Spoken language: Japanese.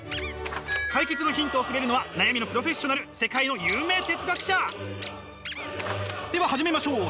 解決のヒントをくれるのは悩みのプロフェッショナル世界の有名哲学者！では始めましょう！